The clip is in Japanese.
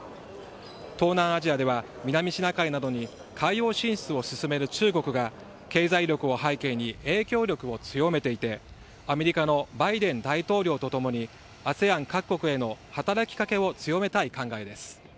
東南アジアでは南シナ海などに海洋進出を進める中国が経済力を背景に影響力を強めていてアメリカのバイデン大統領とともにＡＳＥＡＮ各国への働きかけを強めたい考えです。